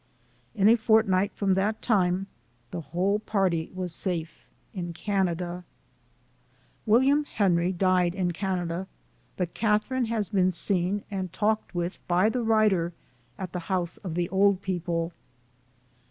In a fort night from that time, the whole party were safe in Canada. William Henry died in Canada, but Catherine 64 SOME SCENES IN THE has been seen and talked with by the writer, at the house of the old people.